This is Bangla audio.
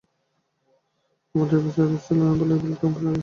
কুমুদ বাড়ি ছিল না, বেলা তখন প্রায় দশটা।